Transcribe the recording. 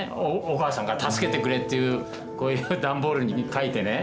お母さんが「助けてくれ」って段ボールに書いてね。